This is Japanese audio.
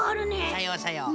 さようさよう。